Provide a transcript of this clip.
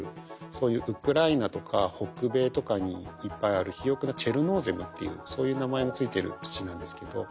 そういうウクライナとか北米とかにいっぱいある肥沃なチェルノーゼムっていうそういう名前の付いてる土なんですけど。